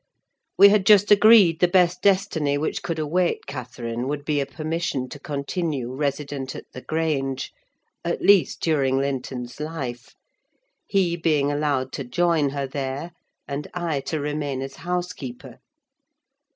We had just agreed the best destiny which could await Catherine would be a permission to continue resident at the Grange; at least during Linton's life: he being allowed to join her there, and I to remain as housekeeper.